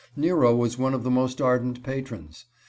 Nero was one of the most ardent patrons.